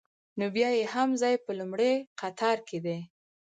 نو بیا یې هم ځای په لومړي قطار کې دی.